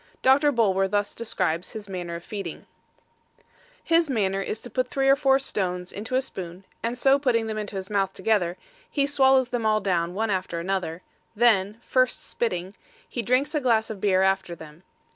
Doctor Bulwer thus describes his manner of feeding: His manner is to put three or four stones into a spoon, and so putting them into his mouth together, he swallows them all down, one after another; then (first spitting) he drinks a glass of beer after them.